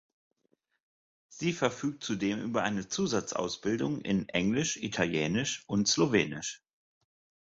Sie verfügt zudem über eine Zusatzausbildung in Englisch, Italienisch und Slowenisch.